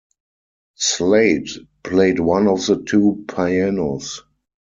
Slade played one of the two pianos.